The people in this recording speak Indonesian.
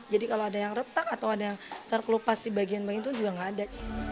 jadi kalau ada yang retak atau ada yang terkelupas di bagian bagian itu juga gak ada